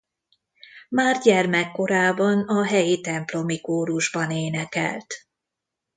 Már gyermekkorában a helyi templomi kórusban énekelt.